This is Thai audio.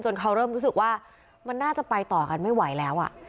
เขาเริ่มรู้สึกว่ามันน่าจะไปต่อกันไม่ไหวแล้ว